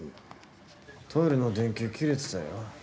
トイレの電球切れてたよ。